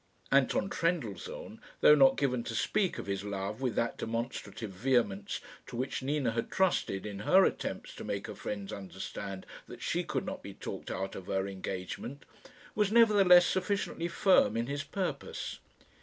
Anton Trendellsohn, though not given to speak of his love with that demonstrative vehemence to which Nina had trusted in her attempts to make her friends understand that she could not be talked out of her engagement, was nevertheless sufficiently firm in his purpose.